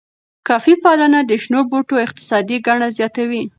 کافی پالنه د شنو بوټو اقتصادي ګټه زیاتوي.